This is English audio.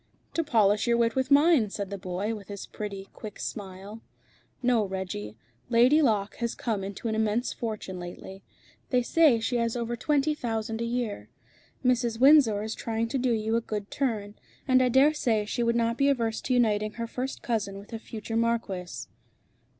"To polish your wit with mine," said the boy, with his pretty, quick smile. "No, Reggie. Lady Locke has come into an immense fortune lately. They say she has over twenty thousand a year. Mrs. Windsor is trying to do you a good turn. And I dare say she would not be averse to uniting her first cousin with a future marquis."